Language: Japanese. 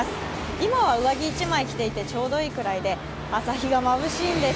今は上着１枚着ていてちょうどいいくらいで、朝日がまぶしいんです。